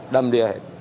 đâm đi hết